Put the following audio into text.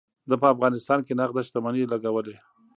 ده په افغانستان کې نغده شتمني لګولې.